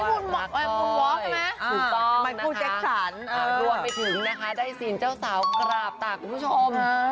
ถูกต้องนะคะรวมไปถึงนะคะได้ซีนเจ้าสาวกราบตากุคุณผู้ชม